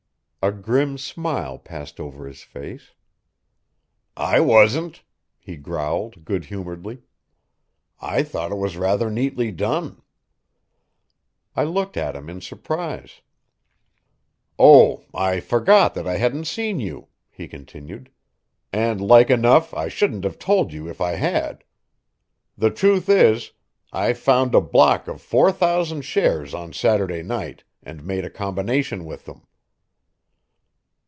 A grim smile passed over his face. "I wasn't," he growled good humoredly. "I thought it was rather neatly done." I looked at him in surprise. "Oh, I forgot that I hadn't seen you," he continued. "And like enough I shouldn't have told you if I had. The truth is, I found a block of four thousand shares on Saturday night, and made a combination with them."